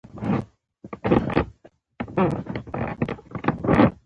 غنم د افغانستان تر ټولو مهمه غله ده.